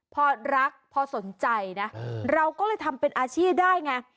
พอรักพอสนใจนะเราก็เลยทำเป็นอาชีพได้ไง